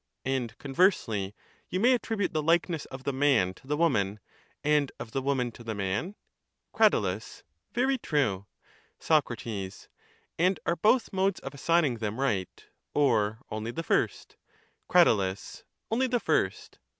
And conversely you may attribute the likeness of the man to the woman, and of the woman to the man? Crat. Ver}' true. Soc. And are both modes of assigning them right, or only the first? Crat. Only the first.